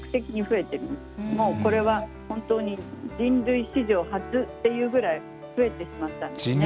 もうこれは本当に人類史上初っていうぐらい増えてしまったんですね。